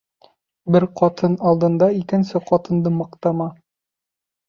Бер ҡатын алдында икенсе ҡатынды маҡтама.